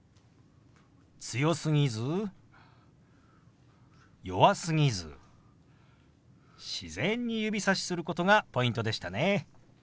強すぎず弱すぎず自然に指さしすることがポイントでしたね。